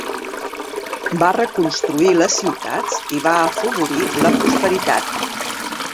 Va reconstruir les ciutats i va afavorir la prosperitat.